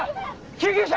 救急車！